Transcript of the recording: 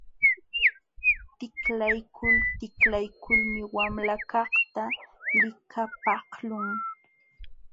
Tiklaykul tiklaykulmi wamlakaqta likapaqlun.